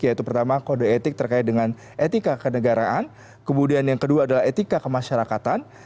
yaitu pertama kode etik terkait dengan etika kenegaraan kemudian yang kedua adalah etika kemasyarakatan